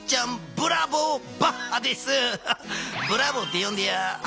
「ブラボー」ってよんでや。